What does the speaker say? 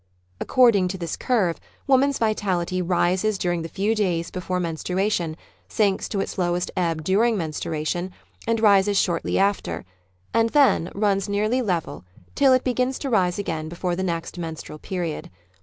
According to this curve, woman's vitality rises during the few days before menstruation, sinks to its lowest ebb during menstruation and rises shortly after, and then runs nearly level till it begins to rise The Fundamental Pulse 3^ again before the next menstrual period.